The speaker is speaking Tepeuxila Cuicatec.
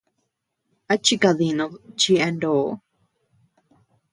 ¿A chikadinud chi a ndo?